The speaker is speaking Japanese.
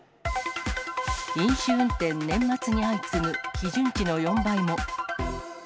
飲酒運転年末に相次ぐ、基準値の４倍も。